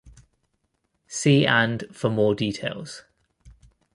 See and for more details.